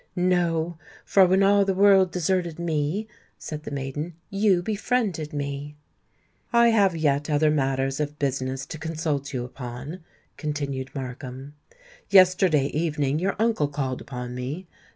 "No—for when all the world deserted me," said the maiden, "you befriended me!" "I have yet other matters of business to consult you upon," continued Markham. "Yesterday evening your uncle called upon me.